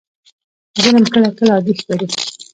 ظلم کله کله عادي ښکاري.